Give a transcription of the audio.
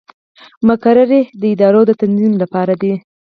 مقررې د ادارو د تنظیم لپاره دي